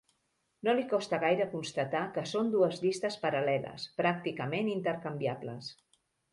No li costa gaire constatar que són dues llistes paral·leles, pràcticament intercanviables.